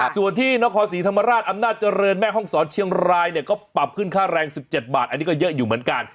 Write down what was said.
ส่วนที่นครศรีธรรมราชอำนาจเจริญแม่ห้องศรเชียงรายเนี่ยก็ปรับขึ้นค่าแรง๑๗บาทอันนี้ก็เยอะอยู่เหมือนกัน